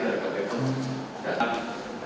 สวัสดีนะครับ